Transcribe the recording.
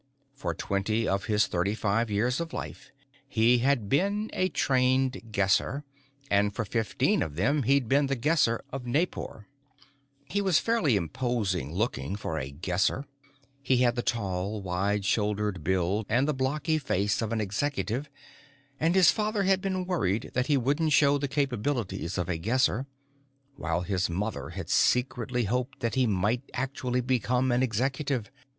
For twenty of his thirty five years of life, he had been a trained Guesser, and for fifteen of them he'd been The Guesser of Naipor. He was fairly imposing looking for a Guesser; he had the tall, wide shouldered build and the blocky face of an Executive, and his father had been worried that he wouldn't show the capabilities of a Guesser, while his mother had secretly hoped that he might actually become an Executive.